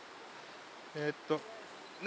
えっと何？